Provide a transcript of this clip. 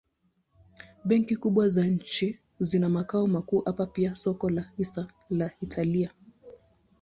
Benki kubwa za nchi zina makao makuu hapa pia soko la hisa la Italia.